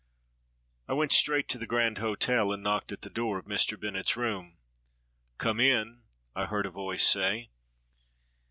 ] I WENT straight to the Grand Hotel, and knocked at the door of Mr. Bennett's room. "Come in," I heard a voice say.